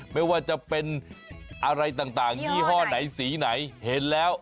ไม่ว่าจะเป็นอะไรต่างยี่ห้อไหนสีไหนเห็นแล้ว